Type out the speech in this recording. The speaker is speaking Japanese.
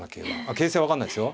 形勢は分かんないですよ。